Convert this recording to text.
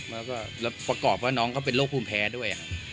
แล้วก็ประกอบว่าน้องเขาเป็นโรคภูมิแพ้ด้วย